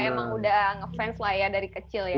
emang udah ngefans lah ya dari kecil ya